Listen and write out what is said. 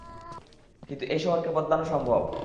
কিন্তু এই শহরকে বদলানো সম্ভব।